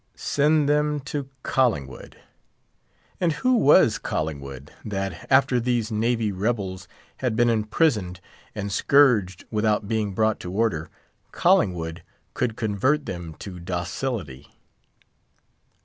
"Send them to Collingwood." And who was Collingwood, that, after these navy rebels had been imprisoned and scourged without being brought to order, Collingwood could convert them to docility?